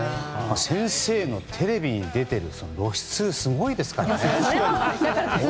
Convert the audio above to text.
先生のテレビに出ている露出、すごいですからね。